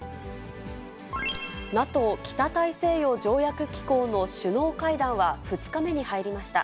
ＮＡＴＯ・北大西洋条約機構の首脳会談は２日目に入りました。